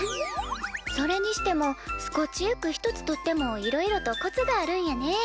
それにしてもスコッチエッグひとつとってもいろいろとコツがあるんやね。